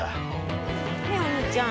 ねえお兄ちゃん。